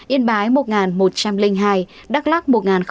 yên bái một một trăm linh hai đắk lắc một chín mươi hai